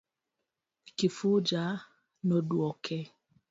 Kifuja noduoke.